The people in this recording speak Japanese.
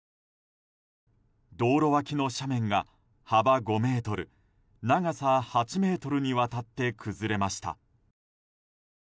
道路脇の斜面が幅５ｍ、長さ８ｍにわたって崩れました。